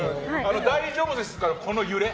大丈夫です、からの揺れ。